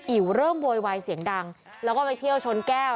เริ่มโวยวายเสียงดังแล้วก็ไปเที่ยวชนแก้ว